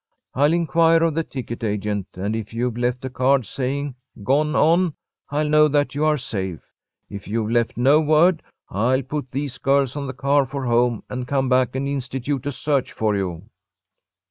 I'll inquire of the ticket agent, and if you've left a card saying 'gone on,' I'll know that you are safe. If you've left no word, I'll put these girls on the car for home, and come back and institute a search for you."